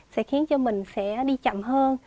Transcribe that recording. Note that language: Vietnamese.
sẽ khiến cho mình sẽ đi chậm hơn